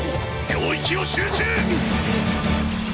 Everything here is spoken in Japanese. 領域を集中！